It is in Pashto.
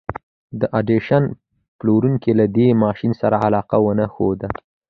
د ايډېسن پلورونکو له دې ماشين سره علاقه ونه ښوده.